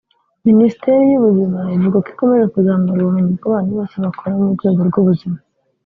Minisiteri y’ubuzima ivuga ko ikomeje kuzamura ubumenyi bw’abantu bose bakora mu rwego rw’ubuzima